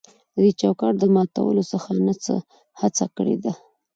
د دې چوکاټ د ماتولو څه نا څه هڅه کړې ده.